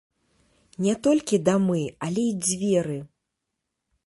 Не толькі дамы, але і дзверы!